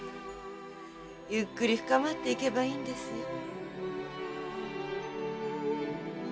ゆっくり深まっていけばいいんですよ。